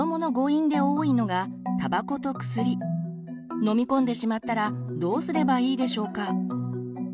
飲み込んでしまったらどうすればいいでしょうか？